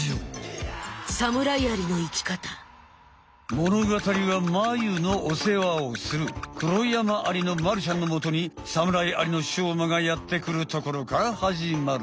ものがたりはマユのお世話をするクロヤマアリのまるちゃんのもとにサムライアリのしょうまがやってくるところから始まる。